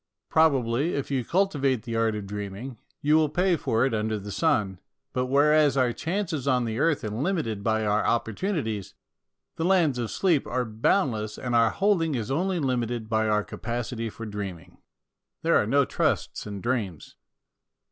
Probably, if you cultivate the art of dreaming, you will pay for it under the sun, but whereas our chances on the earth are limited by our opportunities, the lands of sleep are boundless and our holding is only limited by our capacity for dreaming. There are no trusts in dreams.